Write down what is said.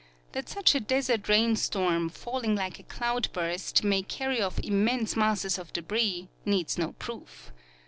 That such a desert rain storm, falling like a cloud burst, may carry off immense masses of debris needs no proof.